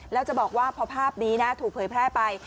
แล้วจะบอกว่าพอภาพนี้นะถูกเผยแพร่ไป